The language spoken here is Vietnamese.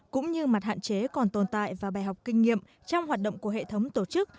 cũng như mặt hạn chế còn tồn tại và bài học kinh nghiệm trong hoạt động của hệ thống tổ chức